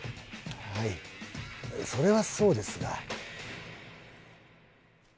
それはそうですが。